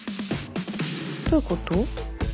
どういうこと？